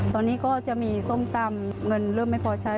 ตอนนี้ก็จะมีส้มตำเงินเริ่มไม่พอใช้